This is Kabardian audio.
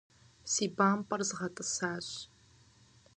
Си бампӀэр згъэтӀысащ.